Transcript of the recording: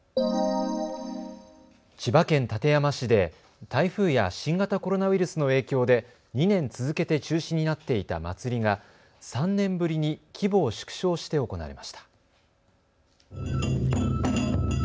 千葉県館山市で台風や新型コロナウイルスの影響で２年続けて中止になっていた祭りが３年ぶりに規模を縮小して行われました。